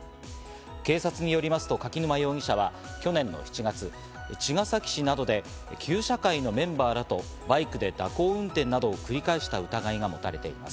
警察によりますと柿沼容疑者は去年の７月、茅ヶ崎市などで旧車会のメンバーらとバイクで蛇行運転などを繰り返した疑いが持たれています。